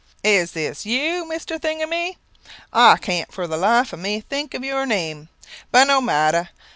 "Is this you, Mr. Thing a my. I can't for the life of me think of your name. But no matter.